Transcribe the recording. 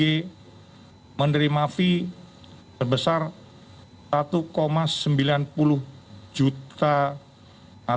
yang memiliki nilai perusahaan yang lebih dari rp satu